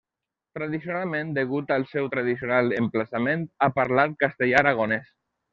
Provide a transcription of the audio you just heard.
Tradicionalment degut al seu tradicional emplaçament ha parlat castellà-aragonès.